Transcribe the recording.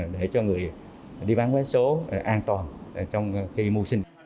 để cho người đi bán vé số an toàn trong khi mưu sinh